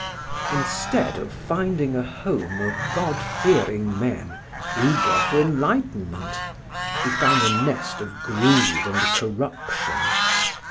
Instead of finding a home of God fearing men, eager for enlightenment, he found a nest of greed and corruption.